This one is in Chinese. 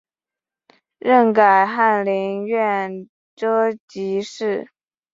任改翰林院庶吉士。